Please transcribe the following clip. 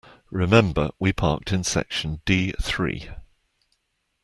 Remember we parked in section D three.